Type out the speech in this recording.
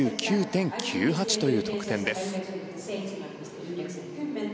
１２９．９８という得点です。